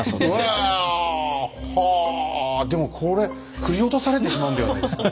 はぁでもこれ振り落とされてしまうんではないですか？